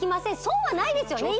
損はないですよね